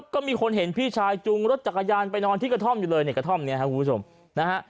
ก็มีคนเห็นพี่ชายจุงรถจักรยานไปนอนที่กระท่อมอยู่เลยในกระท่อมนี้ครับคุณผู้ชมนะฮะ